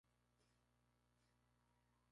Nació en el seno de una familia de clase media baja.